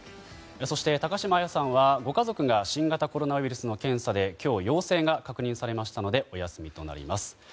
そして高島彩さんはご家族が新型コロナウイルスの検査で今日、陽性が確認されましたのでお休みとなります。